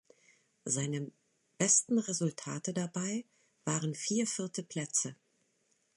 Seine besten Resultate dabei waren vier vierte Plätze.